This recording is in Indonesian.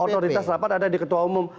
otoritas rapat ada di ketua umum